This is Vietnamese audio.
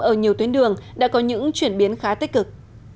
ở nhiều tuyến đường đã có những chuyển biến khá tích cực